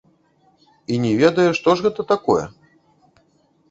І не ведае, што ж гэта такое?